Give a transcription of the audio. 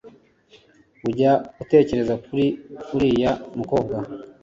Ujya utekereza kuri uriya mukobwa